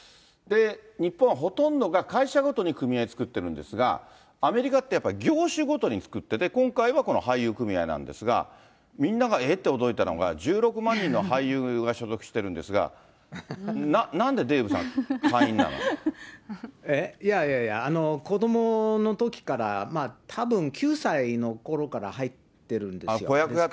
日本はほとんどが会社ごとに組合作ってるんですが、アメリカってやっぱり業種ごとに作ってて、今回はこの俳優組合なんですが、みんながえっ？って驚いたのが１６万人の俳優が所属してるんですが、な、いやいや、子どものときから、たぶん９歳のころから入ってるんですよ。